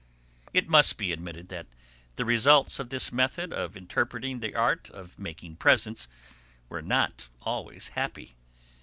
It must be admitted that the results of this method of interpreting the art of making presents were not always happy.